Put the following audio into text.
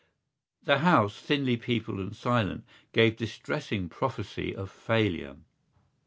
The house, thinly peopled and silent, gave distressing prophecy of failure.